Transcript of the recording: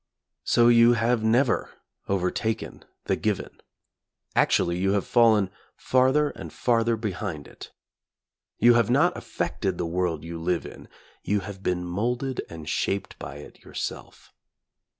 So you have never overtaken the given. Ac tually you have fallen farther and farther behind it. You have not affected the world you live in; you have been molded and shaped by it your self.